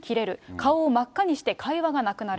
顔を真っ赤にして会話がなくなる。